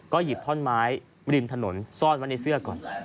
หยิบท่อนไม้ริมถนนซ่อนไว้ในเสื้อก่อน